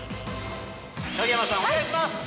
◆影山さん、お願いします！